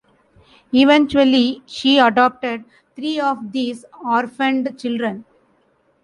Eventually, she adopted three of these orphaned children.